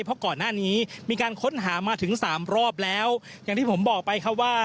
เพราะก่อนหน้านี้มีการค้นหามาถึงสามรอบแล้วอย่างที่ผมบอกไปครับว่า